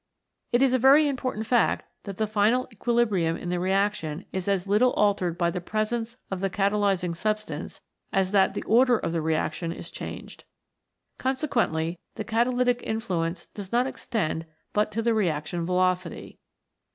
It is a very important fact that the final equi librium in the reaction is as little altered by the presence of the catalysing substance as that the order of the reaction is changed. Consequently the catalytic influence does not extend but to the reaction velocity.